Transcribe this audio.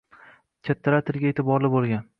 Kattalar tilga e’tiborli bo‘lgan.